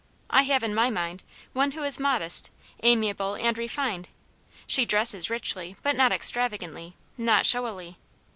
I have in my mind one who is modest, ami able, and refined ; she dresses richly, but not extra vagantly, not showily.